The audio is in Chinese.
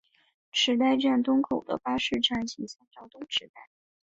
池袋站东口的巴士站请参照东池袋。